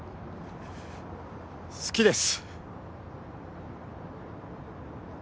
好きです。